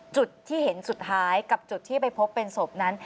จุดที่เห็นสุดท้ายกับจุดที่ไปพบเป็นศพนั้น